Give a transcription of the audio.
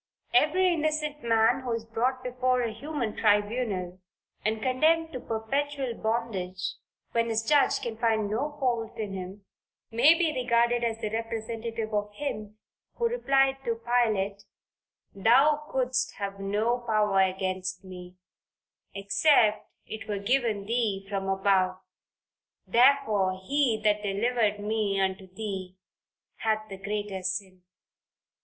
Every innocent man who is brought before a human tribunal, and condemned to perpetual bondage, when his judge can find no fault in him, may be regarded as the representative of Him, who replied to Pilate, "Thou couldst have no power against me, except it were given thee from above: therefore he that delivered me unto thee hath the greater sin."